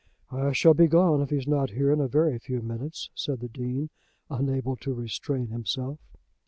"I shall be gone if he's not here in a very few minutes," said the Dean, unable to restrain himself.